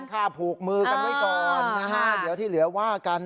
ฆ่าผูกมือกันไว้ก่อนนะฮะเดี๋ยวที่เหลือว่ากัน